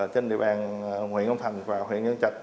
trên địa bàn huyện long thành và huyện văn chạch